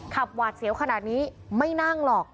หวาดเสียวขนาดนี้ไม่นั่งหรอก